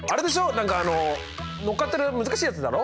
何かあの乗っかってる難しいやつだろ！？